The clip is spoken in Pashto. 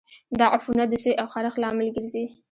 دا عفونت د سوي او خارښت لامل ګرځي.